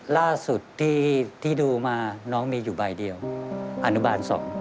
ล่าสุดที่ดูมาน้องมีอยู่ใบเดียวอนุบาล๒